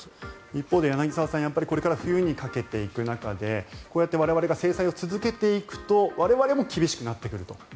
一方で柳澤さんこれから冬にかけていく中でこうやって我々が制裁を続けていくと我々も厳しくなってくると。